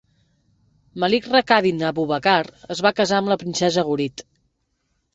Malik Rukn-uddin Abu Bakr es va casar amb la princesa Ghurid.